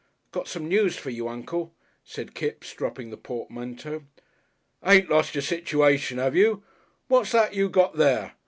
"Got some news for you, Uncle," said Kipps, dropping the portmanteau. "Ain't lost your situation, 'ave you? What's that you got there?